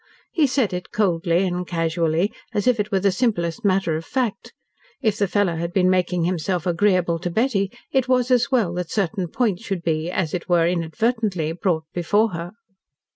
He said it coldly and casually, as if it were the simplest matter of fact. If the fellow had been making himself agreeable to Betty, it was as well that certain points should be as it were inadvertently brought before her.